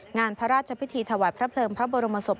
งานพระราชพิธีถวายพระเพลิงพระบรมศพ